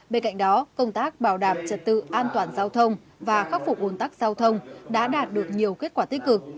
bên cạnh đó công tác bảo đảm trật tự an toàn giao thông và khắc phục ồn tắc giao thông đã đạt được nhiều kết quả tích cực